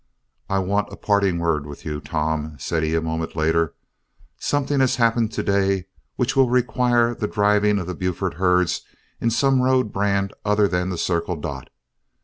"I want a parting word with you, Tom," said he a moment later. "Something has happened to day which will require the driving of the Buford herds in some road brand other than the 'Circle Dot.'